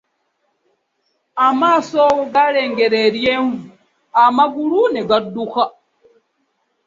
Amaaso galengera eryenvu, amagulu ne gadduka.